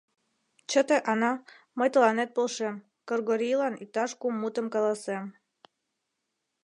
— Чыте, Ана, мый тыланет полшем, Кыргорийлан иктаж кум мутым каласем...